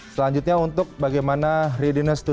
selanjutnya untuk bagaimana readiness to the future